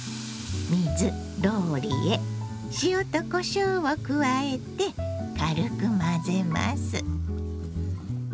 水ローリエ塩とこしょうを加えて軽く混ぜます。